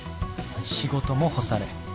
仕事も干され。